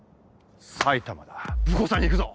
埼玉だ武甲山に行くぞ！